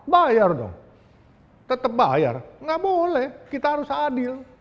bayar dong tetap bayar nggak boleh kita harus adil